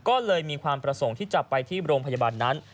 ก็เลยมีความประสงค์ที่จะไปที่โรงพยาบาลนั้น